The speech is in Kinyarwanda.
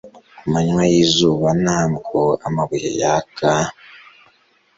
Ku manywa yizuba ntabwo amabuye yaka